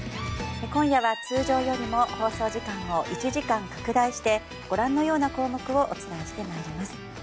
今夜は通常よりも放送時間を１時間拡大してご覧のような項目をお伝えして参ります。